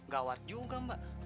gawat juga mbak